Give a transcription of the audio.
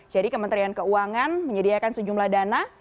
jadi kementerian keuangan menyediakan sejumlah dana